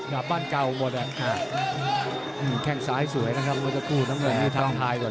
กล่าวบ้านเก่าหมดแล้วแข่งสายสวยนะครับมันจะคู่น้ำเงินทางท้ายก่อนเลย